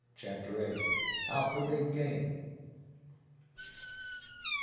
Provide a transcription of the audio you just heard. CHAPTER VIII. OUT FOR BIG GAME.